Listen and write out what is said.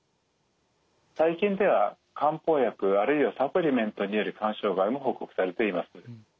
最近では漢方薬あるいはサプリメントによる肝障害も報告されています。